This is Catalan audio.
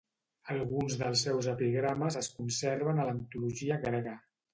Alguns dels seus epigrames es conserven a l'antologia grega.